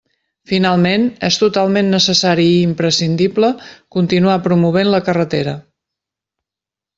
Finalment, és totalment necessari i imprescindible continuar promovent la carretera.